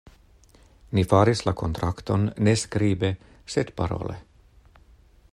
Ni faris la kontrakton ne skribe, sed parole.